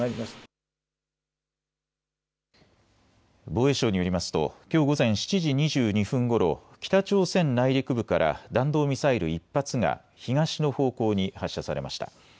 防衛省によりますと、きょう午前７時２２分ごろ、北朝鮮内陸部から弾道ミサイル１発が東の方向に発射されました。